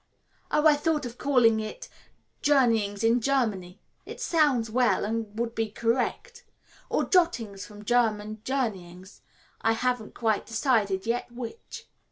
"Oh, I thought of calling it Journeyings in Germany. It sounds well, and would be correct. Or Jottings from German Journeyings, I haven't quite decided yet which."